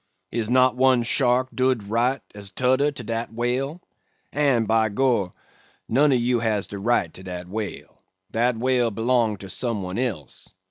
Is not one shark dood right as toder to dat whale? And, by Gor, none on you has de right to dat whale; dat whale belong to some one else.